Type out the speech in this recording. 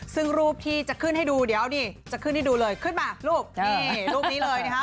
ซึ่งรูปที่จะขึ้นให้ดูเดี๋ยวนี่จะขึ้นให้ดูเลยขึ้นมารูปนี่รูปนี้เลยนะคะ